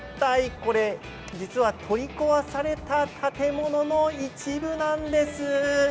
これ実は取り壊された建物の一部なんです。